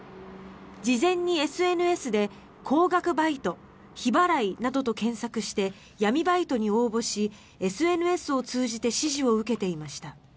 事前にＳＮＳで「高額バイト」「日払い」などと検索して闇バイトに応募しＳＮＳを通じて指示を受けていました。